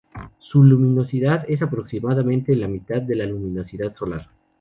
Su luminosidad es aproximadamente la mitad de la luminosidad solar.